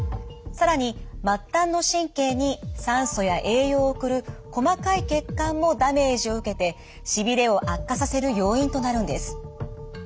更に末端の神経に酸素や栄養を送る細かい血管もダメージを受けてしびれを悪化させる要因となるんです。